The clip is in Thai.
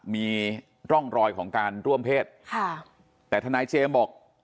มีร่องรอยของการร่วมเพศค่ะแต่ทนายเจมส์บอก